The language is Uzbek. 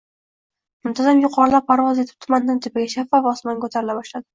muntazam yuqorilab parvoz etib tumandan tepaga — shaffof osmonga ko‘tarila bildi…